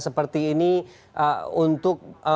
seperti ini untuk